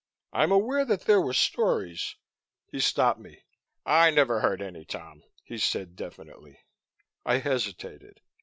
I'm aware that there were stories " He stopped me. "I never heard any, Tom," he said definitely. I hesitated.